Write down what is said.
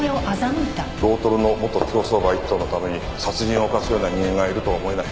ロートルの元競走馬１頭のために殺人を犯すような人間がいるとは思えない。